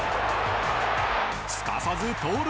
すかさず盗塁。